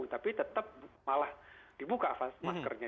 tapi tetap malah dibuka maskernya